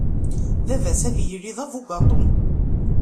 Baba-s ad yili d abugaṭu.